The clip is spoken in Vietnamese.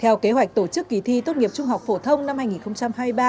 theo kế hoạch tổ chức kỳ thi tốt nghiệp trung học phổ thông năm hai nghìn hai mươi ba